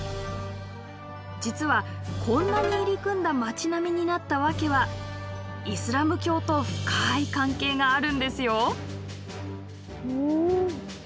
実はこんなに入り組んだ町並みになった訳はイスラム教と深い関係があるんですよ。